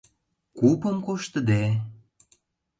Купым коштыде...